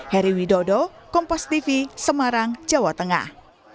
heri widodo kompas tv semarang jawa tengah